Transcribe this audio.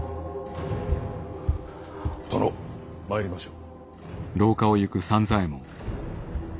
殿参りましょう。